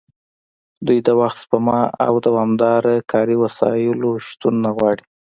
دوی د وخت سپما او دوامداره کاري وسایلو شتون نه غواړي